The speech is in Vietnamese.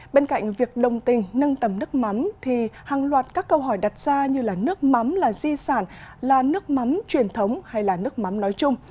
bên cạnh việc đồng tình nâng tầm nước mắm thì hàng loạt các câu hỏi đặt ra như nước mắm là di sản là nước mắm truyền thống hay là nước mắm nói chung